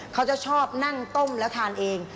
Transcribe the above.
เขาจะชอบนั่งต้มแล้วทานเอง